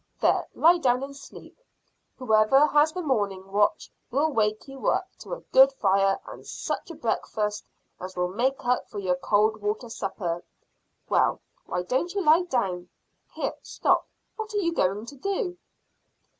There, lie down and sleep. Whoever has the morning watch will wake you up to a good fire and such a breakfast as will make up for your cold water supper. Well why don't you lie down? Here: stop! What are you going to do?"